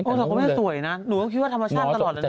คุณแม่สวยนะหนูก็คิดว่าธรรมาชาติตลอดเลย